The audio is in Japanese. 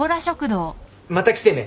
また来てね。